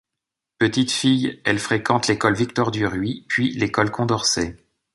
Petite fille, elle fréquente l'école Victor-Duruy, puis l'école Condorcet.